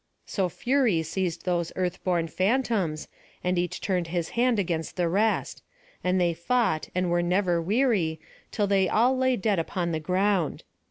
So fury seized those earth born phantoms, and each turned his hand against the rest; and they fought and were never weary, till they all lay dead upon the ground.